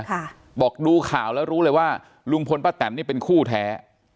ค่ะบอกดูข่าวแล้วรู้เลยว่าลุงพลป้าแตนนี่เป็นคู่แท้